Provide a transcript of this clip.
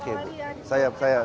kalau bisa lebih banyak